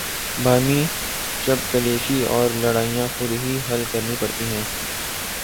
باہمی چپقلشیں اور لڑائیاں خود ہی حل کرنی پڑتی ہیں۔